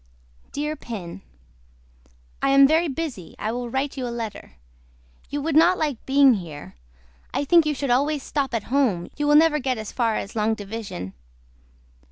DEAR PIN I AM VERY BUSY I WILL WRITE YOU A LETTER. YOU WOULD NOT LIKE BEING HERE I THINK YOU SHOULD ALWAYS STOP AT HOME YOU WILL NEVER GET AS FAR AS LONG DIVISION.